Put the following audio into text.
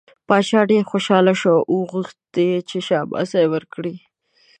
باچا ډېر خوشحاله شو او وغوښت یې چې شاباسی ورکړي.